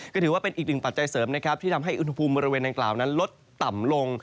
ก็ถือว่าเป็นอีกหนึ่งปัจจัยเสริมที่ทำให้อุทธภูมิบริเวณนั้นกล่าวลดต่ำลง